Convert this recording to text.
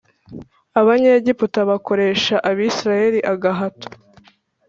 Abanyegiputa bakoresha abisirayeli agahato